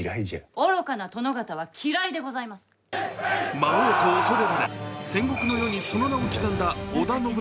魔王と恐れられ、戦国の世にその名を刻んだ織田信長